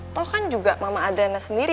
atau kan juga mama adriana sendiri